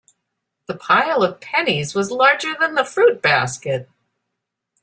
The pile of pennies was larger than the fruit basket.